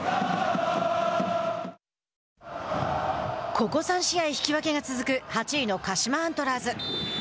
ここ３試合引き分けが続く８位の鹿島アントラーズ。